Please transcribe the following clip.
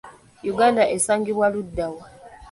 Uganda esangibwa luddawa?